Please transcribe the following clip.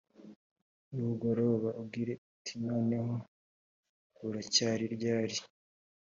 nibugoroba, ugire uti «noneho buracya ryari?»